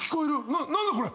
な何だこれ？